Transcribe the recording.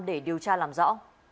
để điều tra làm rõ